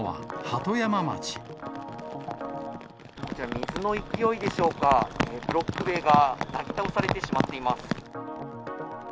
こちら、水の勢いでしょうか、ブロック塀がなぎ倒されてしまっています。